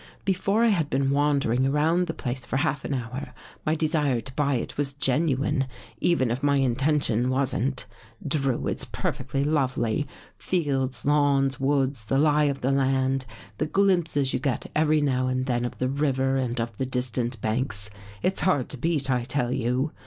" Before I had been wandering around the place for half an hour, my desire to buy it was genuine, even if my intention wasn't. Drew, it's perfectly lovely — fields, lawns, woods, the lie of the land, the glimpses you get every now and then of the river and of the distant banks. It's hard to beat, I tell you.